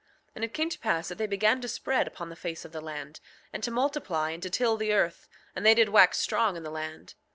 6:18 And it came to pass that they began to spread upon the face of the land, and to multiply and to till the earth; and they did wax strong in the land.